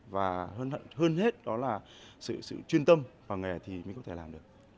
và hơn hết đó là sự chuyên tâm vào nghề thì mình có thể làm được